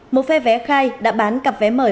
một phe vé khai đã bán cặp vé mời